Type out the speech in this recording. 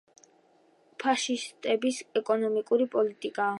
ფაშისტების ეკონომიკური პოლიტიკა.